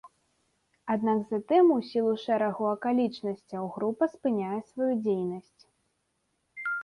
Аднак затым у сілу шэрагу акалічнасцяў група спыняе сваю дзейнасць.